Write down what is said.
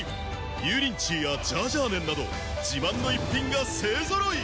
油淋鶏やジャージャー麺など自慢の逸品が勢揃い！